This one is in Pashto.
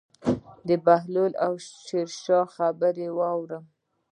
د بهلول او شیرشاه خبرې اورم.